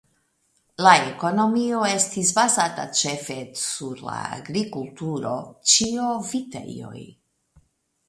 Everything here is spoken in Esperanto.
La ekonomio estis bazata ĉefe sur la agrikulturo (ĉio vitejoj).